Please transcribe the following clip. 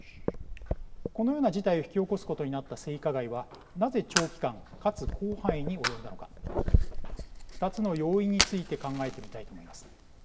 このような事態を引き起こすことになった性加害はなぜ長期間かつ広範囲に及んだのか２つの要因について考えてみたいと思います。